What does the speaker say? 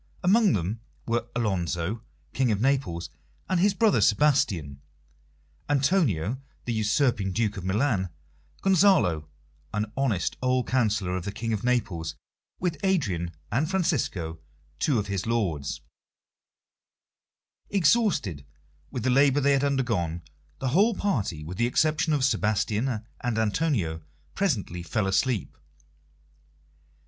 Among them were Alonso, King of Naples, and his brother Sebastian; Antonio, the usurping Duke of Milan; Gonzalo, an honest old counsellor of the King of Naples, with Adrian and Francisco, two of his lords. [Illustration: "What? Put thy sword up, traitor."] Exhausted with the labour they had undergone, the whole party, with the exception of Sebastian and Antonio, presently fell asleep.